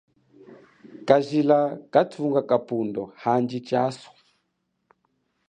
Kajila kanthunga kapundo.